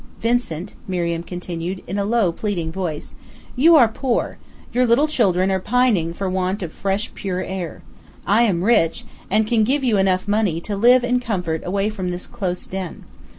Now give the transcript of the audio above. "Vincent," Miriam continued, in a low, pleading voice, "you are poor; your little children are pining for want of fresh, pure air. I am rich, and can give you enough money to live in comfort away from this close den.